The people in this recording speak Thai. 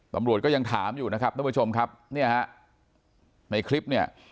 ตำรวจก็ยังถามอยู่นะครับท่านผู้ชมครับเนี่ยฮะในคลิปเนี่ย